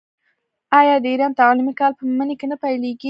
آیا د ایران تعلیمي کال په مني کې نه پیلیږي؟